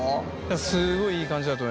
すごいいい感じだと思います。